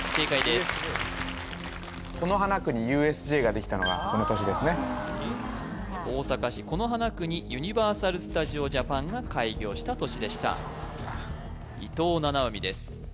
すごい此花区にＵＳＪができたのがこの年ですね大阪市此花区にユニバーサル・スタジオ・ジャパンが開業した年でしたそうなんだ伊藤七海です